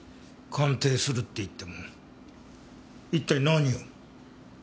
鑑定するって言っても一体何を？